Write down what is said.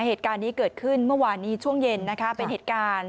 เหตุการณ์นี้เกิดขึ้นเมื่อวานนี้ช่วงเย็นนะคะเป็นเหตุการณ์